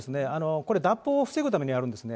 これ脱法を防ぐためにあるんですね。